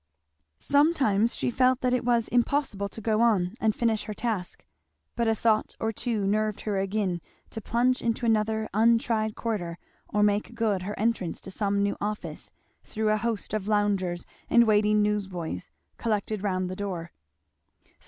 Sometimes she felt that it was impossible to go on and finish her task; but a thought or two nerved her again to plunge into another untried quarter or make good her entrance to some new office through a host of loungers and waiting news boys collected round the door.